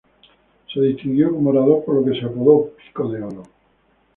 Se distinguió como orador, por lo que se le apodó "Pico de Oro".